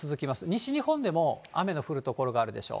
西日本でも雨の降る所があるでしょう。